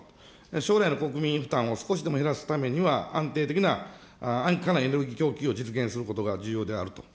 将来の国民負担を少しでも減らすためには、安定的な、安価なエネルギー供給を実現することが重要であると。